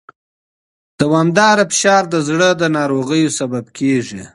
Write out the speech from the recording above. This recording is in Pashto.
دوامداره فشار د زړه ناروغیو سبب کېږي.